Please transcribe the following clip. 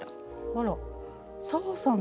あら紗和さん